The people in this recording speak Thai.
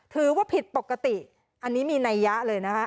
ถือว่าผิดปกติอันนี้มีนัยยะเลยนะคะ